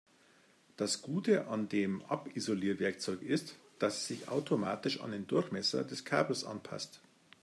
Das Gute an dem Abisolierwerkzeug ist, dass es sich automatisch an den Durchmesser des Kabels anpasst.